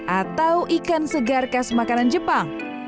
atau ikan segar khas makanan jepang